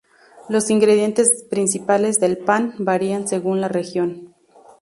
Los ingredientes principales del pan varían según la región.